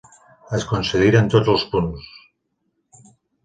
Es concediren tots els punts.